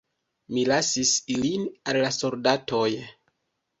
Mi lasis ilin al la soldatoj.